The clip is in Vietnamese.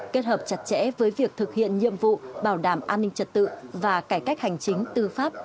kết hợp chặt chẽ với việc thực hiện nhiệm vụ bảo đảm an ninh trật tự và cải cách hành chính tư pháp